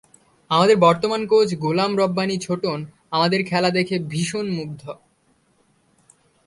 আমাদের বর্তমান কোচ গোলাম রব্বানী ছোটন আমার খেলা দেখে ভীষণ মুগ্ধ।